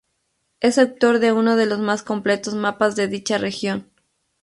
Es autor de uno de los más completos mapas de dicha región.